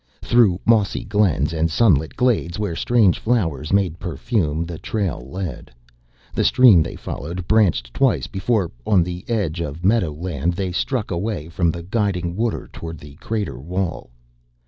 Through mossy glens and sunlit glades where strange flowers made perfume, the trail led. The stream they followed branched twice before, on the edge of meadow land, they struck away from the guiding water toward the crater wall.